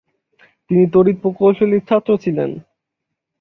তিনি তড়িৎ প্রকৌশলের ছাত্র ছিলেন।